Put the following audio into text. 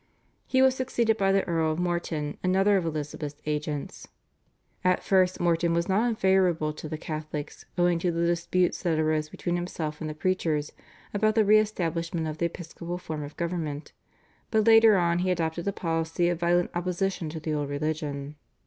He was succeeded by the Earl of Morton, another of Elizabeth's agents. At first Morton was not unfavourable to the Catholics owing to the disputes that arose between himself and the preachers about the re establishment of the episcopal form of government, but later on he adopted a policy of violent opposition to the old religion.